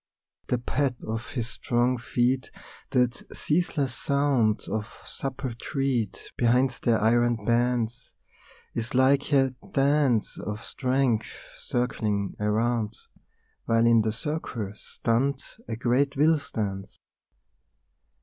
The pad of his strong feet, that ceaseless sound Of supple tread behind the iron bands, Is like a dance of strength circling around, While in the circle, stunned, a great will stands.